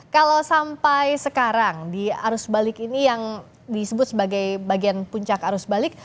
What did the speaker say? kalau sampai sekarang di arus balik ini yang disebut sebagai bagian puncak arus balik